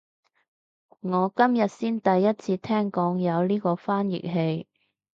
我今日先第一次聽講有呢個翻譯器